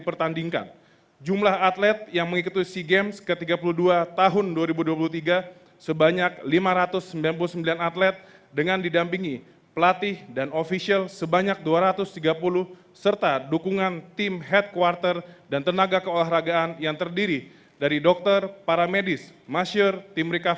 raya kebangsaan indonesia raya